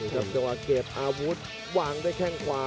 ต่อเก็บอาวุธวางในแค่งขวา